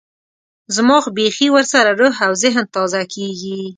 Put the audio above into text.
زما خو بيخي ورسره روح او ذهن تازه کېږي.